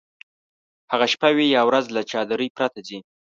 هغه شپه وي یا ورځ له چادرۍ پرته ځي.